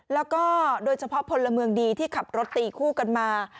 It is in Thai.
แล้วก็โดยเฉพาะพลเมืองดีที่ขับรถตีคู่กันมา